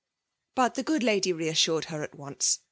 Biit ibe good lady reassured her at OBce.